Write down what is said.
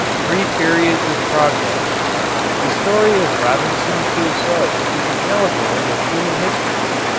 I THREE PERIODS OF PROGRESS The story of Robinson Crusoe is an allegory of human history.